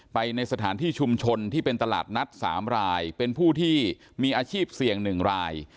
ในสถานที่ชุมชนที่เป็นตลาดนัด๓รายเป็นผู้ที่มีอาชีพเสี่ยง๑ราย